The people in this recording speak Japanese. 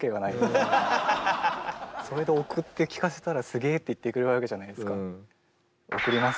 それで送って聴かせたらすげえって言ってくれるわけじゃないですか。